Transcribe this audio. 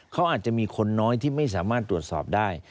เขาอาจจะมีคนน้อยที่ไม่สามารถตรวจสอบได้